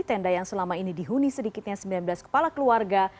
tenda yang selama ini dihuni sedikitnya sembilan belas kepala keluarga